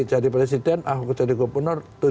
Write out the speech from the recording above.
jadi presiden ahok jadi gubernur